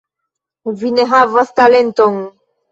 Vi ne havas talenton!